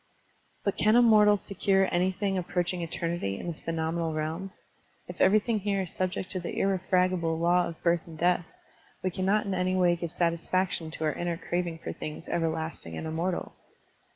But can a mortal secure anything approaching eternity in this phenomenal realm? If every thing here is subject to the irrefragable law of birth and death, we cannot in any way give satisfaction to our inner craving for things ever lasting and immortal.